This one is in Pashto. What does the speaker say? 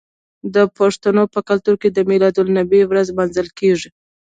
د پښتنو په کلتور کې د میلاد النبي ورځ لمانځل کیږي.